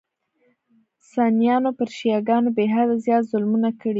سنیانو پر شیعه ګانو بېحده زیات ظلمونه کړي.